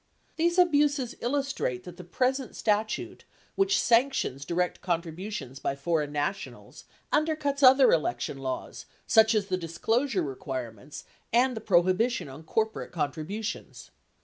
These abuses illustrate that the present statute, which sanctions direct contributions by foreign nationals, undercuts other election laws such as the disclosure requirements and the prohi bition on corporate contributions.